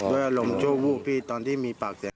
อ๋อด้วยอารมณ์โชว์ผู้พี่ตอนที่มีปากแสง